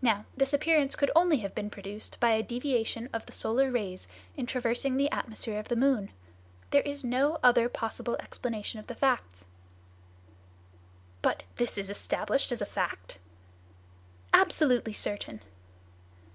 Now, this appearance could only have been produced by a deviation of the solar rays in traversing the atmosphere of the moon. There is no other possible explanation of the facts." "But is this established as a fact?" "Absolutely certain!"